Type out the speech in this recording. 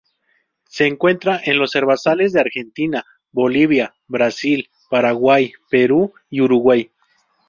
Se encuentra en los herbazales de Argentina, Bolivia, Brasil, Paraguay, Perú y Uruguay.